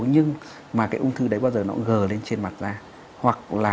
nhưng mà cái ung thư đấy bao giờ nó gờ lên trên mặt da